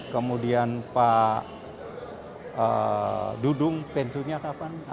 kemudian pak dudung pensiunnya kapan